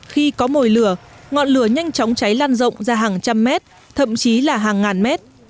khi có mồi lửa ngọn lửa nhanh chóng cháy lan rộng ra hàng trăm mét thậm chí là hàng ngàn mét